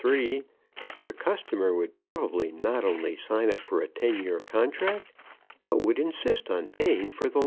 3, your customer would probably not only sign up for a ten year contract, but would insist on paying for the lunch.